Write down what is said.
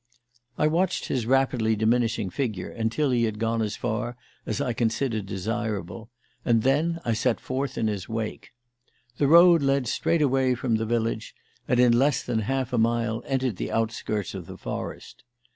I watched his rapidly diminishing figure until he had gone as far as I considered desirable, and then I set forth in his wake. The road led straight away from the village, and in less than half a mile entered the outskirts of the forest.